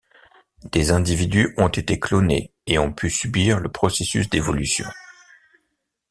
Des individus ont été clonés et ont pu subir le processus d'évolution.